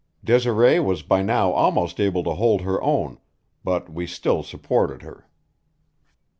Desiree was by now almost able to hold her own, but we still supported her.